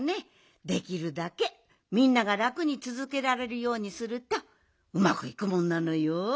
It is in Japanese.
できるだけみんながらくにつづけられるようにするとうまくいくもんなのよ。